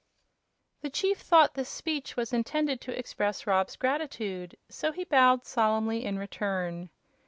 The chief thought this speech was intended to express Rob's gratitude, so he bowed solemnly in return.